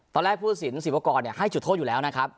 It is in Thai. ตอนแรกผู้สินสิบวกรเนี่ยให้จุดโทษอยู่แล้วนะครับ